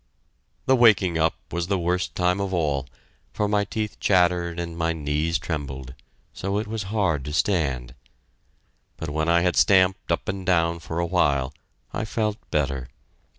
The waking up was the worst time of all, for my teeth chattered and my knees trembled, so it was hard to stand. But when I had stamped up and down for a while, I felt better.